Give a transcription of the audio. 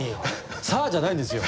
「さあ」じゃないんですよ。